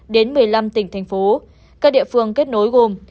đến một mươi năm tỉnh thành phố các địa phương kết nối gồm